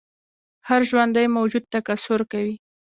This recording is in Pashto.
هر ژوندی موجود تکثیر کوي